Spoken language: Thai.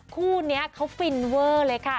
คู่เนี้ยเค้าฟินเว้อเลยค่ะ